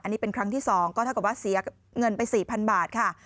อันนี้เป็นครั้งที่๒ก็เท่ากับว่าเสียเงินไป๔๐๐๐บาทค่ะ